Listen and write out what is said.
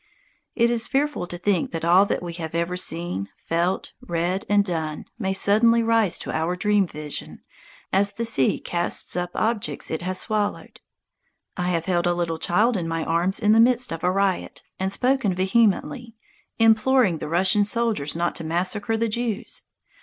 It is fearful to think that all that we have ever seen, felt, read, and done may suddenly rise to our dream vision, as the sea casts up objects it has swallowed. I have held a little child in my arms in the midst of a riot and spoken vehemently, imploring the Russian soldiers not to massacre the Jews.